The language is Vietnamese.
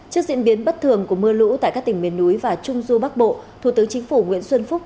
trước diễn biến bất thường của mưa lũ tại các tỉnh miền núi và trung du bắc bộ thủ tướng chính phủ nguyễn xuân phúc